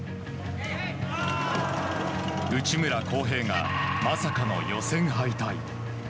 内村航平がまさかの予選敗退。